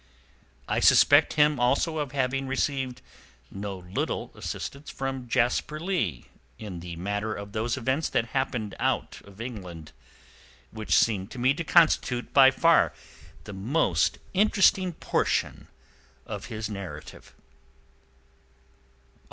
I suspect him also of having received no little assistance from Jasper Leigh in the matter of those events that happened out of England, which seem to me to constitute by far the most interesting portion of his narrative.